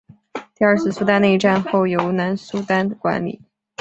第二次苏丹内战后由南苏丹管理。